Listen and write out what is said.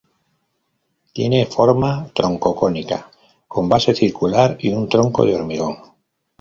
Tiene forma troncocónica con base circular y un tronco de hormigón.